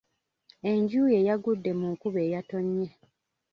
Enju ye yagudde mu nkuba eyatonnye.